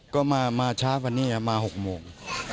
ก็มามาช้าพอเนี่ยมา๖โมง